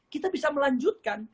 kita bisa melanjutkan